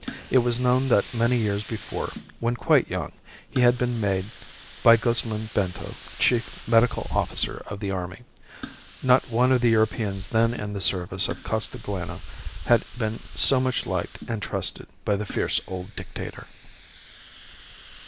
It was known that many years before, when quite young, he had been made by Guzman Bento chief medical officer of the army. Not one of the Europeans then in the service of Costaguana had been so much liked and trusted by the fierce old Dictator.